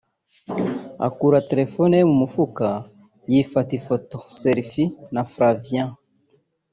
akura telefoni ye mu mufuka yifata ifoto (Selfie) na Flavia